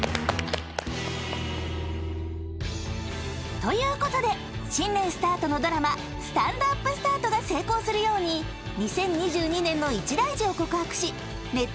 ［ということで新年スタートのドラマ『スタンドＵＰスタート』が成功するように２０２２年のイチ大事を告白しネット